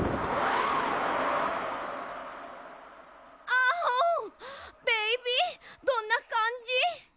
アオーベイビーどんなかんじ？